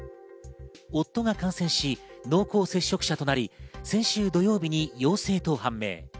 夫が感染し、濃厚接触者となり、先週土曜日に陽性と判明。